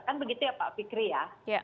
kan begitu ya pak fikri ya